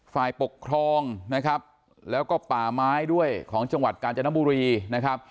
ฝ่ายปกครองนะครับแล้วก็ป่าไม้ด้วยของจังหวัดกาญจนบุรีนะครับ